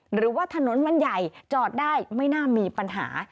หรือว่าถนนมันใหญ่จอดได้ไม่น่ามีปัญหา